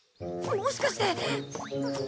もしかして。